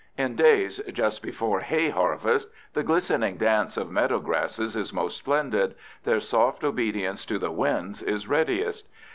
In days just before hay harvest the glistening dance of meadow grasses is most splendid, their soft obedience to the winds is readiest.